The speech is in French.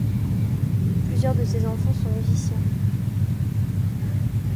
Plusieurs de ses enfants sont musicens.